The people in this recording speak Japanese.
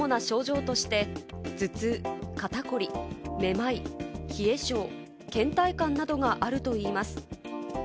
主な症状として、頭痛、肩こり、目まい、冷え症、倦怠感などがあるといいます。